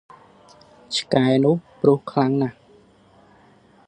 ឆ្កែនោះព្រុសខ្លាំងណាស់!